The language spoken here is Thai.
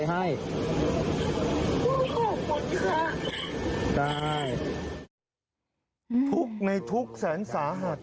ทุกข์ในทุกข์แสนสาหัส